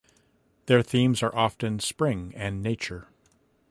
Their themes are often Spring and Nature.